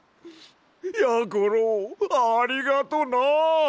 やころありがとな！